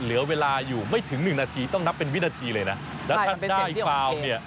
เหลือเวลาอยู่ไม่ถึงหนึ่งนาทีต้องนับเป็นวินาทีเลยนะแล้วถ้าได้ฟาวเนี่ย